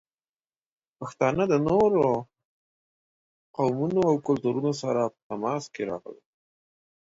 پښتانه د نورو قومونو او کلتورونو سره په تماس کې راغلي دي.